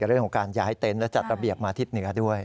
เรื่องของการย้ายเต็นต์และจัดระเบียบมาทิศเหนือด้วย